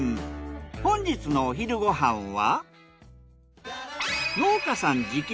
本日のお昼ご飯は？